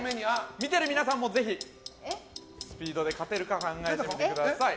見てる皆さんもぜひスピードで勝てるか考えてみてください。